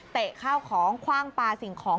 ข้าวของคว่างปลาสิ่งของ